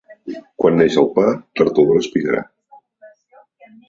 Quan neix el pa, tard o d'hora espigarà.